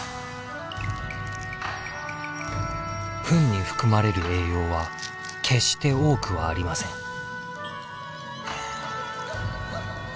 フンに含まれる栄養は決して多くはありません。